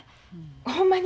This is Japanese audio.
ほんまに？